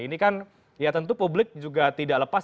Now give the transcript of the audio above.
ini kan ya tentu publik juga tidak lepas